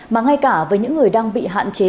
mà ngay cả với những người đang bị hạn chế